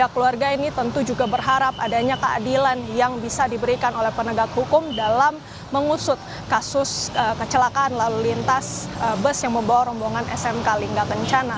keluarga ini tentu juga berharap adanya keadilan yang bisa diberikan oleh penegak hukum dalam mengusut kasus kecelakaan lalu lintas bus yang membawa rombongan smk lingga kencana